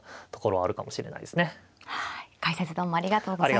はい解説どうもありがとうございました。